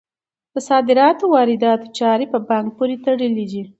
د صادراتو او وارداتو چارې په بانک پورې تړلي دي.